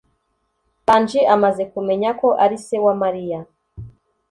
nganji amaze kumenya ko ari se wa mariya